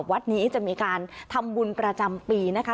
วัดนี้จะมีการทำบุญประจำปีนะคะ